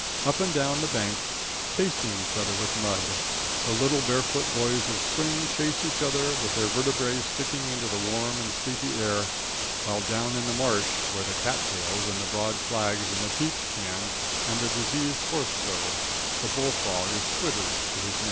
Up and down the bank, pasting each other with mud, the little barefoot boys of spring chase each other, with their vertebrae sticking into the warm and sleepy air, while down in the marsh, where the cat tails and the broad flags and the peach can and the deceased horse grow, the bull frog is twittering to his mate.